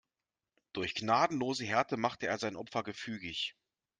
Durch gnadenlose Härte macht er seine Opfer gefügig.